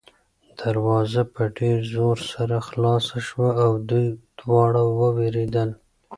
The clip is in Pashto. دروازه په ډېر زور سره خلاصه شوه او دوی دواړه ووېرېدل.